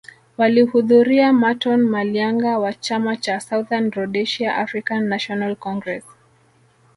Walihudhuria Marton Malianga wa chama cha Southern Rhodesia African National Congress